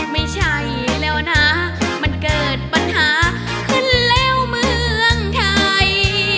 ไม่ใช่แล้วนะมันเกิดปัญหาขึ้นแล้วเมืองไทย